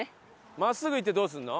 真っすぐ行ってどうするの？